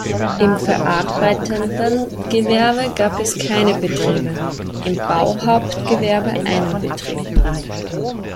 Im verarbeitenden Gewerbe gab es keine Betriebe, im Bauhauptgewerbe einen Betrieb.